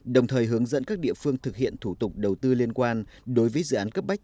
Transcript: đồng thời hướng dẫn các địa phương thực hiện thủ tục đầu tư liên quan đối với dự án cấp bách